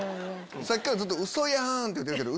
さっきからずっと「うそやん」って言うてるけど。